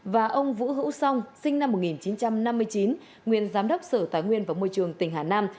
và ông vũ hữu song sinh năm một nghìn chín trăm năm mươi chín nguyên giám đốc sở tài nguyên và môi trường tỉnh hà nam